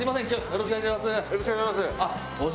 よろしくお願いします。